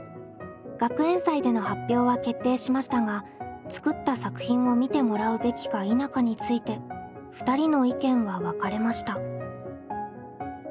学園祭での発表は決定しましたが作った作品を見てもらうべきか否かについて２人の意見は分かれました。